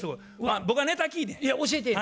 僕はネタ聞いてん。